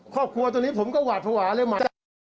ครอบครัวตัวนี้ผมก็หวาดภาวะเลยหมา